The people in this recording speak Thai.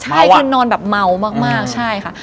ใช่คือนอนแบบเมามากใช่ค่ะ